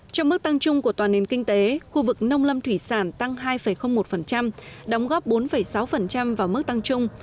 trong mức tăng trung của toàn nền kinh tế khu vực nông lâm thủy sản tăng hai một đóng góp bốn sáu vào mức tăng trung